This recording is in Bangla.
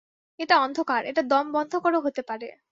এটা অন্ধকার, এটা দম বন্ধকরও হতে পারে।